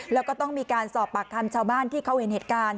แล้วก็ต้องมีการสอบปากคำชาวบ้านที่เขาเห็นเหตุการณ์